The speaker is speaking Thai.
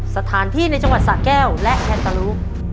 สถานที่ในจังหวัดสะแก้วและแคนตาลู